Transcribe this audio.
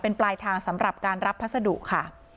เป็นปลายทางสำหรับการรับพัสดุค่ะ